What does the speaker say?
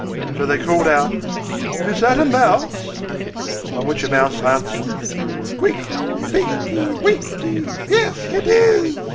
So they called out, "Is that a mouse?" On which a mouse answered, "Squeaky peeky weeky! yes, it is!"